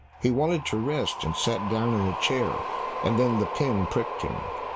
He wanted to rest, and sat down in the chair, and then the pin pricked him.